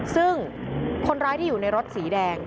ซึ่งคนร้ายที่อยู่ในรถสีแดง